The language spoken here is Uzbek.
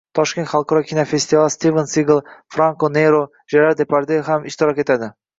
Toshkent xalqaro kinofestivalida Stiven Sigal, Franko Nero, Jerar Deparde ham ishtirok etadi